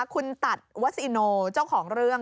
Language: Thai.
คุณตัดวัสอิโนเจ้าของเรื่อง